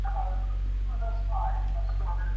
আজ বছরখানেক যাত্রার দলে কাজ করিতেছে।